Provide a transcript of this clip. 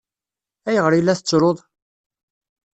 Ayɣer i la tettruḍ?